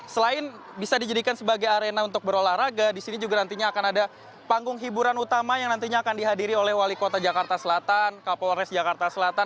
selain bisa dijadikan sebagai arena untuk berolahraga di sini juga nantinya akan ada panggung hiburan utama yang nantinya akan dihadiri oleh wali kota jakarta selatan kapolres jakarta selatan